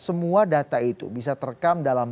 semua data itu bisa terekam dalam